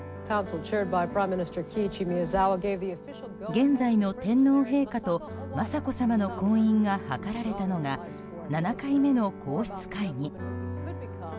現在の天皇陛下と雅子さまの婚姻がはかられたのが７回目の皇室会議。